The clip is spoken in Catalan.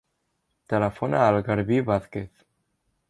Telefona al Garbí Vazquez.